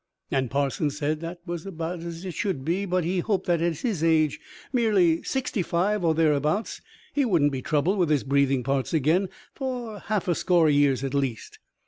And Parsons said that was as it should be; but he hoped that at his age merely sixty five or thereabout he wouldn't be troubled with his breathing parts again for half a score o' years at least.